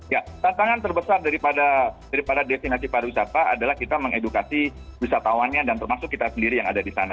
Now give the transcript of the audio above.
ya tantangan terbesar daripada destinasi pariwisata adalah kita mengedukasi wisatawannya dan termasuk kita sendiri yang ada di sana